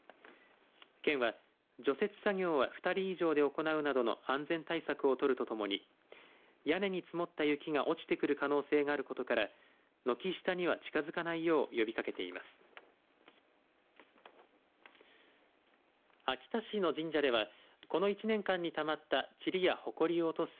県は除雪作業は２人以上で行うなどの安全対策を取るとともに屋根に積もった雪が落ちてくる可能性があることから軒下には近づかないよう呼びかけています。